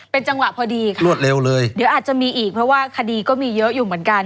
เป็นจังหวะพอดีค่ะรวดเร็วเลยเดี๋ยวอาจจะมีอีกเพราะว่าคดีก็มีเยอะอยู่เหมือนกัน